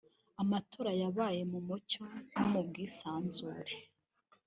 “Amatora yabaye mu mucyo no mu bwisanzure